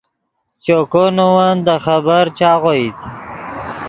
چوکو نے ون دے خبر چاغوئیت